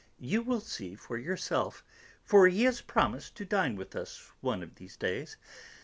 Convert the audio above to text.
You will see for yourself, for he has promised to dine with us one of these days.